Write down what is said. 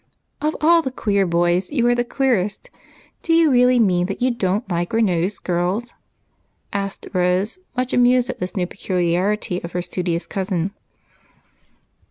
"Of all the queer boys you are the queerest! Do you really mean that you don't like or notice girls?" asked Rose, much amused at this new peculiarity of her studious cousin.